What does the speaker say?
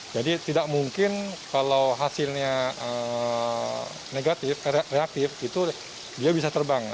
jadi tidak mungkin kalau hasilnya negatif reaktif itu dia bisa terbang